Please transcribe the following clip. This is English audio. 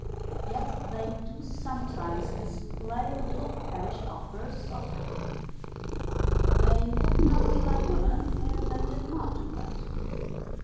Yet they do sometimes display little pettish outbursts of temper. They would not be like women if they did not do that.